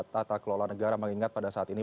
tata kelola negara mengingat pada saat ini